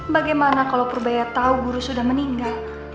bagaimana kalau purbaya tahu guru sudah meninggal